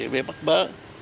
bị bắt bớ